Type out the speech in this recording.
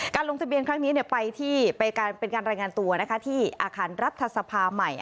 ลงทะเบียนครั้งนี้ไปเป็นการรายงานตัวที่อาคารรัฐสภาใหม่